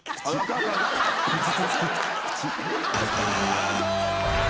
アウト！